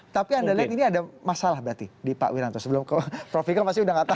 tapi anda lihat ini ada masalah berarti di pak wiranto sebelum ke prof ikram pasti udah nggak tahu